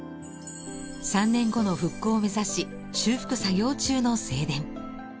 ３年後の復興を目指し修復作業中の正殿。